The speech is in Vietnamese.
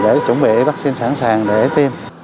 để chuẩn bị vaccine sẵn sàng để tiêm